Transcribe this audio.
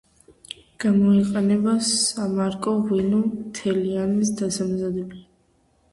გამოიყენება სამარკო ღვინო თელიანის დასამზადებლად.